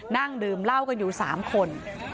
นั่งดื่มเล่ากันอยู่สามคน